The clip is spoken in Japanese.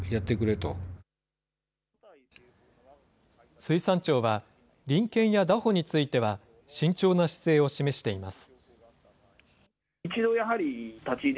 水産庁は、臨検や拿捕については、慎重な姿勢を示しています。